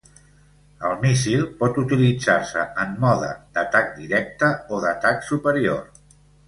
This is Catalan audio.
El míssil pot utilitzar-se en mode d'atac directe o d'atac superior.